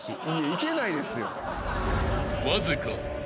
いけないですよ。